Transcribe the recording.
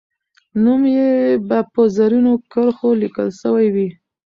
نوم یې به په زرینو کرښو لیکل سوی وي.